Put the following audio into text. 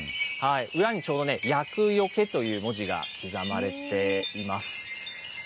裏にちょうどね、厄除けという文字が刻まれています。